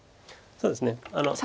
そうですね